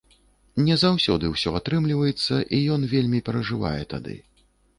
Не заўсёды ўсё атрымліваецца, і ён вельмі перажывае тады.